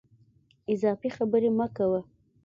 اضافي خبري مه کوه !